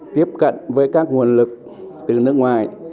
tiếp cận với các nguồn lực từ nước ngoài